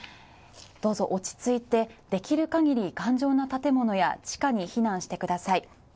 どうぞ落ち着いて、できる限り頑丈な建物や地下に避難してください。